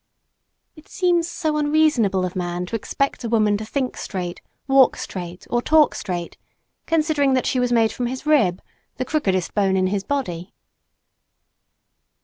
It seems so unreasonable of man to expect a woman to think straight, walk straight, or talk straight, considering that she was made from his rib the crookedest bone in his body.